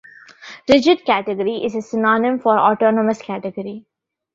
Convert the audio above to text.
Rigid category is a synonym for autonomous category.